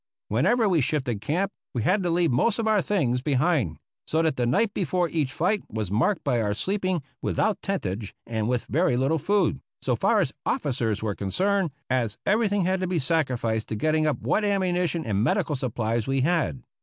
Whenever we shifted camp, we had to leave most of our things behind, so that the night before each fight was marked by our sleeping without tentage and with very little food, so far as officers were concerned, as everything had to be sacrificed to getting up what ammunition and medical supplies we had.